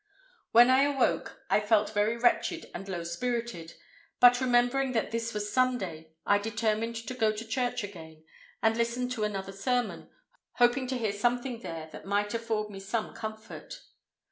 "When I awoke, I felt very wretched and low spirited; but remembering that this was Sunday, I determined to go to church again and listen to another sermon, hoping to hear something there that might afford me some comfort.